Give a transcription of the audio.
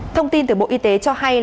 thông tin từ bộ y tế cho hay